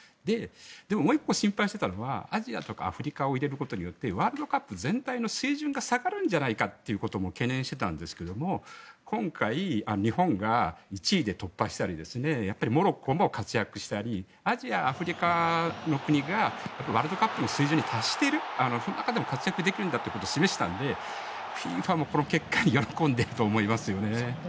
でももう１個心配していたのはアジアとかアフリカを入れることによってワールドカップ全体の水準が下がるんじゃないかということも懸念していたんですが今回、日本が１位で突破したりモロッコも活躍したりアジア、アフリカの国がワールドカップの水準に達している、あの中でも活躍できるんだということを示したのでＦＩＦＡもこの結果に喜んでいると思いますよね。